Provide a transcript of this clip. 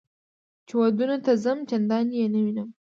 چې ودونو ته ځم چندان یې نه وینم.